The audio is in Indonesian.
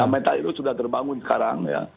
meta itu sudah terbangun sekarang ya